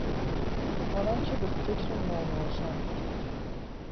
آنان که به فکر نان و آشاند...